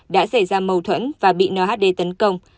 đã xảy ra mâu thuẫn và bị nhd tấn công